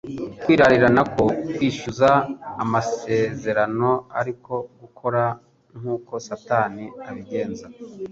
Kwirarira nako kwishyuza amasezerano, ariko gukora nk'uko Satani abigenza,